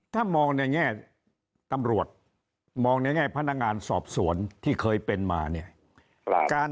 ถ้ามองในแง่ตำรวจมองในแง่พนักงานสอบสวนที่เคยเป็นมาเนี่ย